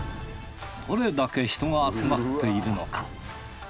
どれだけ人が集まっているのか？